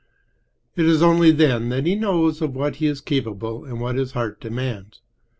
It is only then that he knows of what he is capable and what his heart demands.